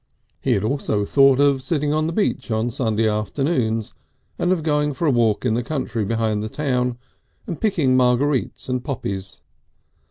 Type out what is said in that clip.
He had also thought of sitting on the beach on Sunday afternoons and of going for a walk in the country behind the town and picking marguerites and poppies.